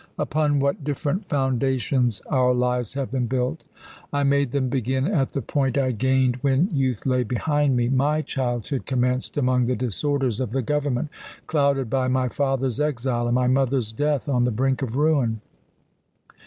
Upon what different foundations our lives have been built! I made them begin at the point I had gained when youth lay behind me. My childhood commenced among the disorders of the government, clouded by my father's exile and my mother's death, on the brink of ruin.